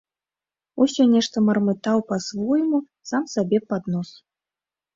Усё нешта мармытаў па-свойму сам сабе пад нос.